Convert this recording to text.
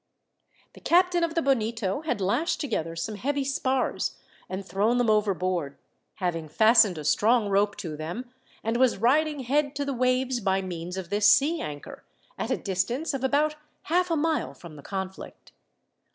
The captain of the Bonito had lashed together some heavy spars and thrown them overboard, having fastened a strong rope to them, and was riding head to the waves by means of this sea anchor, at a distance of about half a mile from the conflict.